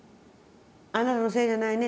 「あなたのせいじゃないね」